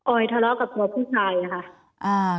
อยทะเลาะกับตัวผู้ชายอะค่ะ